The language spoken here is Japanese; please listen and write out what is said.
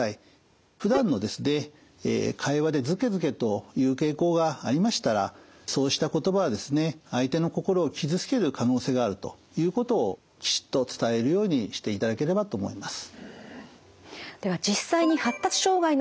ふだんの会話でずけずけと言う傾向がありましたらそうした言葉はですね相手の心を傷つける可能性があるということをきちっと伝えるようにしていただければと思います。